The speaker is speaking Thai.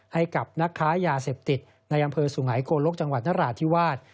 ให้กับนักค้ายาเสพติดในอำเภอสุงหายโกลกจังหวัดนราธิวาส